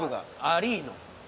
ありーの。